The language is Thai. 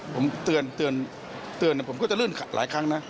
ผมเตือนผมก็จะลื่นหลายครั้งนะ